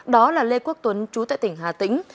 đó là lê quốc tuấn chú tại tỉnh hà tĩnh